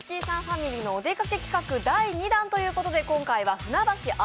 さんファミリーのお出かけ企画第２弾ということで今回はふなばし